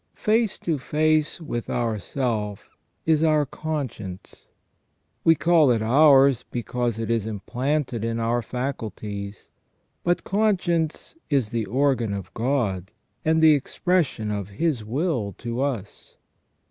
Face to face with ourself is our conscience. We call it ours because it is implanted in our faculties, but conscience is the organ of God, and the expression of His will to us.